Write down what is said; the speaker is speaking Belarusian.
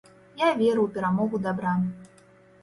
Я веру ў перамогу дабра.